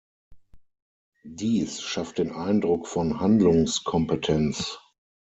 Dies schafft den Eindruck von Handlungskompetenz.